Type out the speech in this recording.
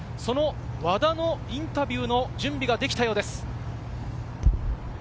和田のインタビューの準備ができたようです。